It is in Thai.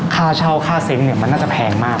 ค่าเช่าค่าเซ้งเนี่ยมันน่าจะแพงมาก